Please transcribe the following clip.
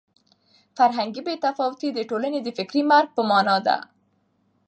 فرهنګي بې تفاوتي د ټولنې د فکري مرګ په مانا ده.